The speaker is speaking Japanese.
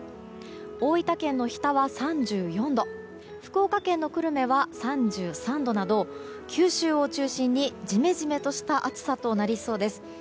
大分県の日田は３４度福岡県の久留米は３３度など九州を中心に、ジメジメとした暑さとなりそうです。